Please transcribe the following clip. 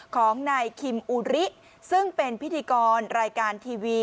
ของนายคิมอุริซึ่งเป็นพิธีกรรายการทีวี